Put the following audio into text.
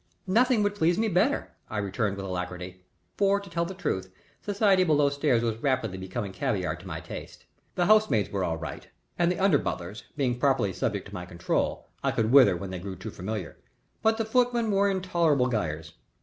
"Nothing would please me better," I returned with alacrity; for, to tell the truth, society below stairs was rapidly becoming caviar to my taste. The housemaids were all right, and the under butlers, being properly subject to my control, I could wither when they grew too familiar, but the footmen were intolerable guyers.